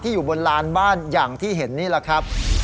อยู่บนลานบ้านอย่างที่เห็นนี่แหละครับ